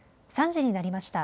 ３時になりました。